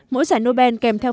mỗi giải nobel kèm theo